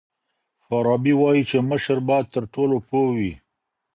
فارابي وایي چي مشر باید تر ټولو پوه وي.